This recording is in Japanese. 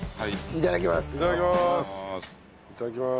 いただきます。